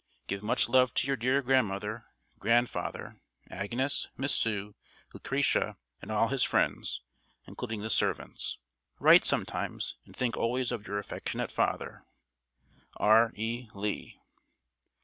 Give much love to your dear grandmother, grandfather, Agnes, Miss Sue, Lucretia, and all friends, including the servants. Write sometimes, and think always of your "Affectionate father, "R. E. LEE."